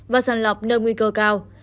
và sàng lọc nâng nguy cơ cao